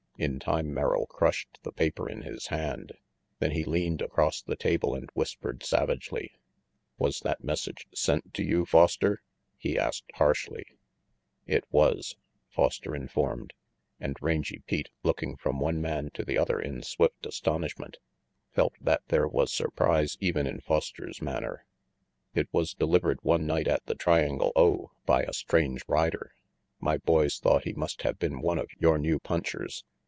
In time Merrill crushed the paper in his hand; then he leaned across the table and whispered savagely : "Was that message sent to you, Foster?" he asked harshly. 182 RANGY PETE "It was," Foster informed; and Rangy Pete, looking from one man to the other in swift astonish ment, felt that there was surprise even in Foster's manner. "It was delivered one night at the Triangle O by a strange rider. My boys thought he must have been one of your new punchers.